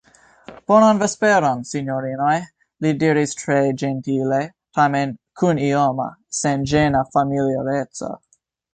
Bonan vesperon, sinjorinoj, li diris tre ĝentile, tamen kun ioma, senĝena familiareco.